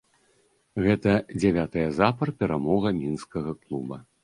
Гэта дзявятая запар перамога мінскага клуба.